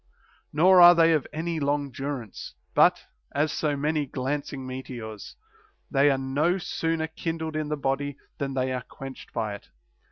Nor are they of any long durance, but, as so many glancing meteors, they are no sooner kindled in the body than they are quenched by it.